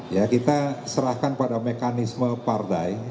ya kita serahkan pada mekanisme pardai di golkar